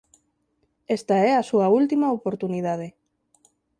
Esta é a súa última oportunidade.